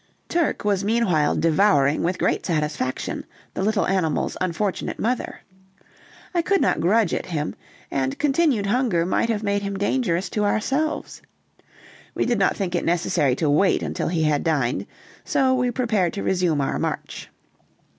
Turk was meanwhile devouring with great satisfaction the little animal's unfortunate mother. I could not grudge it him, and continued hunger might have made him dangerous to ourselves. We did not think it necessary to wait until he had dined, so we prepared to resume our march.